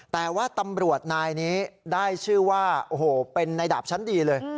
แต่ว่าตำรวจนายนี้ได้ชื่อว่าโอ้โหเป็นในดาบชั้นดีเลย